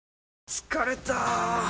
疲れた！